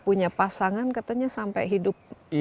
punya pasangan katanya sampai hidup